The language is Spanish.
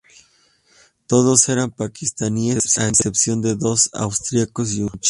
Todos eran pakistaníes a excepción de dos austríacos y un chino.